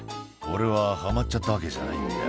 俺ははまっちゃったわけじゃないんだ」